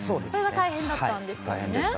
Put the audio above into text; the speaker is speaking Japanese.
それが大変だったんですよね。